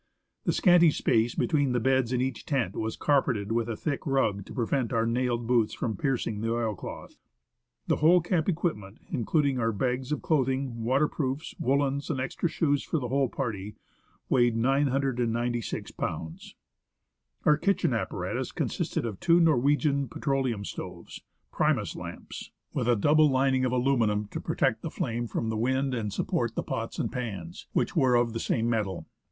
The scanty space between the beds in each tent was carpeted with a thick rug to prevent our nailed boots from piercing the oilcloth. The whole camp equipment, in cluding our bags of clothing, waterproofs, woollens, and extra shoes for the whole party, weighed 996 lbs. Our kitchen ap paratus consisted of two Norwegian petroleum stoves (Primus lamps), with a double lining of aluminium to protect the flame 83 MUMMERY TENT. THE ASCENT OF MOUNT ST. ELIAS from the wind and support the pots and pans, which were of the same metal.